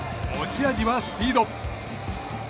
持ち味はスピード。